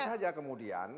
jadi tentu saja kemudian